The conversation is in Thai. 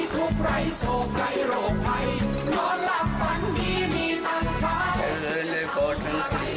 โทษเลยค่ะ